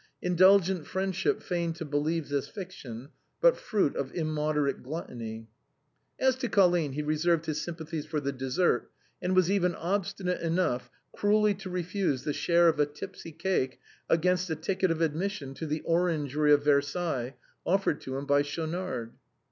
Indulgent friendship feigned to believe this fiction, the fruit of immoderate gluttony. As to Colline he reserved his sympathies for the dessert, and was even obstinate enough to cruelly refuse his share of a tipsy cake against a ticket of admission to the orangery of Versailles offered him by Schaunard.